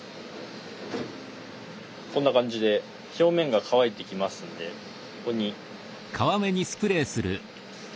こんな感じで表面が乾いてきますんでここに。